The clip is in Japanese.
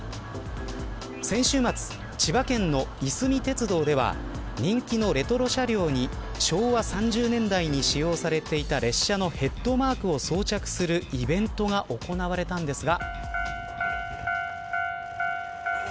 先週末、千葉県のいすみ鉄道では人気のレトロ車両に昭和３０年代に使用されていた列車のヘッドマークを装着するイベントが行われたんですが。